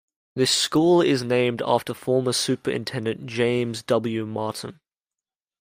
The school is named after former Superintendent James W. Martin.